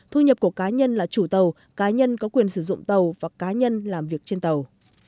thu nhập của cá nhân là chủ tàu cá nhân có quyền sử dụng tàu và cá nhân làm việc trên tàu